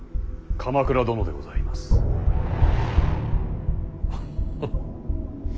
鎌倉殿でございます。フッフ。